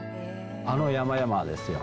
あの山々ですよ。